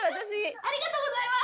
ありがとうございます。